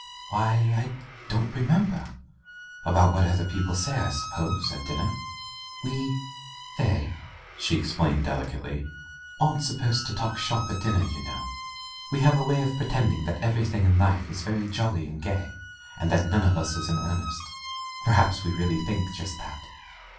"Why — I don't remember. About what other people say, I suppose, at dinner. We — they "— she explained delicately —" aren't supposed to talk shop at dinner, you know. We have a way of pretending that every thing in life is very jolly and gay, and that none of us is in earnest. Perhaps we really think just that.